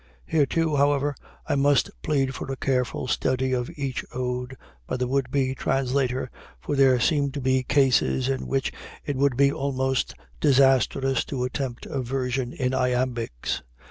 Here too, however, I must plead for a careful study of each ode by the would be translator, for there seem to be cases in which it would be almost disastrous to attempt a version in iambics.